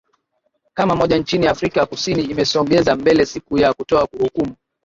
kama moja nchini afrika kusini imesogeza mbele siku ya kutoa hukumu